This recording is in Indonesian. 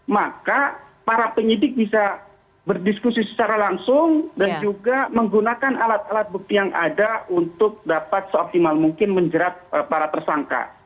maka para penyidik bisa berdiskusi secara langsung dan juga menggunakan alat alat bukti yang ada untuk dapat seoptimal mungkin menjerat para tersangka